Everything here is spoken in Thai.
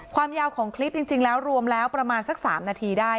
ความยาวของคลิปจริงแล้วรวมแล้วประมาณสัก๓นาทีได้